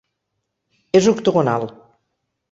És octogonal.